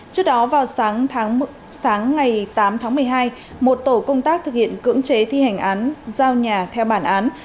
trước đó vào sáng ngày tám tháng một mươi hai một tổ công tác thực hiện cưỡng chế thi hành án giao nhà theo bản án